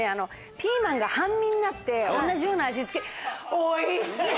ピーマンが半身になって同じような味付け。